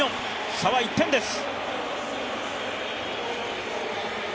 差は１点です。